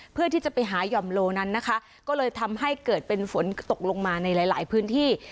เพื่อที่จะไปหาย่อมโลนั้นนะคะก็เลยทำให้เกิดเป็นฝนตกลงมาในหลายพื้นที่